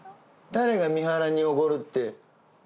誰が三原におごるって。